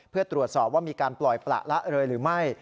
เพื่อตรวจสอบว่ามีการปล่อยประละเลยหรือไม่